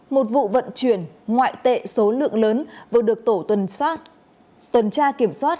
một vụ vận chuyển ngoại tệ số lượng lớn vừa được tổ tuần tra kiểm soát